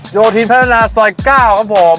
โยธินพัฒนาซอย๙ครับผม